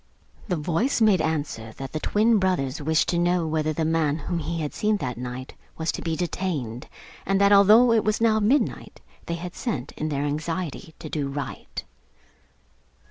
The voice made answer that the twin brothers wished to know whether the man whom he had seen that night was to be detained; and that although it was now midnight they had sent, in their anxiety to do right.